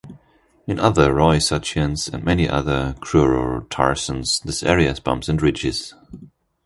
In other rauisuchians and many other crurotarsans, this area has bumps and ridges.